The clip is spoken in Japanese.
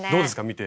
見て。